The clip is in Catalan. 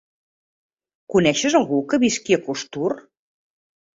Coneixes algú que visqui a Costur?